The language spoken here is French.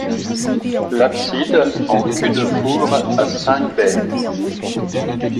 L'abside en cul-de-four a cinq baies.